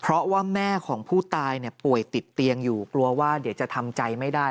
เพราะว่าแม่ของผู้ตายเนี่ยป่วยติดเตียงอยู่กลัวว่าเดี๋ยวจะทำใจไม่ได้